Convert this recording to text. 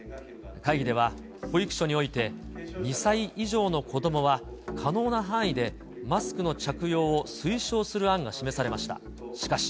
会議では保育所において、２歳以上の子どもは、可能な範囲でマスクの着用を推奨する案が示されました。